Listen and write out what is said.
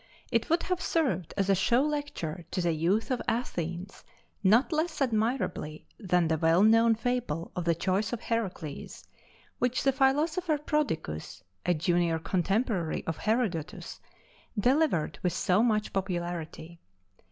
It would have served as a show lecture to the youth of Athens not less admirably than the well known fable of the Choice of Heracles, which the philosopher Prodicus, a junior contemporary of Herodotus, delivered with so much popularity.